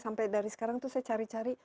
sampai dari sekarang tuh saya cari cari